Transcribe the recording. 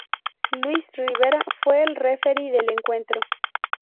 Luis Rivera fue el referee del encuentro.